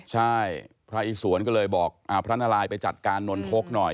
ใช่พระอิสวนก็เลยบอกพระนารายไปจัดการนนทกหน่อย